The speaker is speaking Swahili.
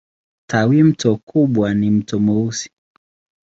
Tawimto kubwa ni Mto Mweusi.